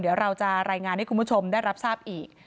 เดี๋ยวเราจะรายงานให้คุณผู้ชมได้รับทราบอีก